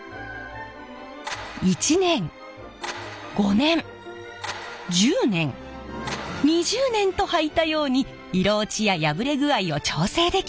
１年５年１０年２０年とはいたように色落ちや破れ具合を調整できるんです。